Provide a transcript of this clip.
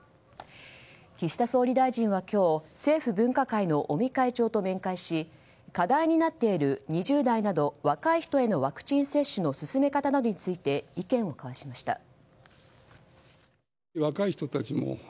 岸田総理大臣は今日政府分科会の尾身会長と面会し課題になっている２０代など若い人へのワクチン接種の進め方などについて意見を交わしました。